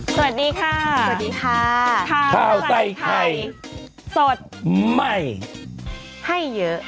สวัสดีค่ะสวัสดีค่ะข้าวใส่ไข่สดใหม่ให้เยอะ